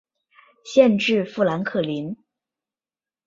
县治富兰克林。